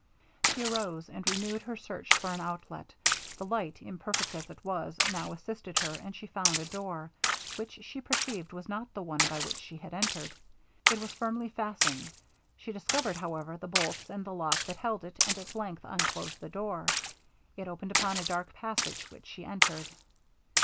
She arose, and renewed her search for an outlet. The light, imperfect as it was, now assisted her, and she found a door, which she perceived was not the one by which she had entered. It was firmly fastened; she discovered, however, the bolts and the lock that held it, and at length unclosed the door. It opened upon a dark passage, which she entered.